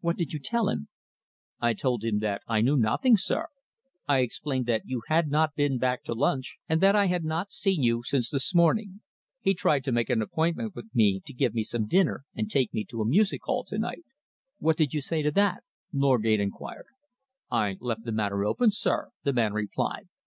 "What did you tell him?" "I told him that I knew nothing, sir. I explained that you had not been back to lunch, and that I had not seen you since the morning. He tried to make an appointment with me to give me some dinner and take me to a music hall to night." "What did you say to that?" Norgate enquired. "I left the matter open, sir," the man replied.